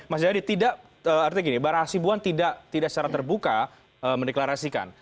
mas jari tidak artinya gini ibarah sibuan tidak secara terbuka meneklarasikan